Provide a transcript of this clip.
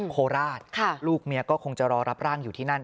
โคราชลูกเมียก็คงจะรอรับร่างอยู่ที่นั่น